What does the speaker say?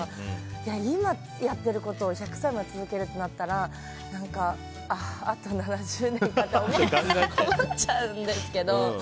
いや、今やってることを１００歳まで続けるってなったらああ、あと７０年かって思っちゃうんですけど。